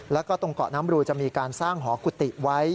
แล้วก็ตรงเกาะน้ำรูจะมีการสร้างหอกุฏิไว้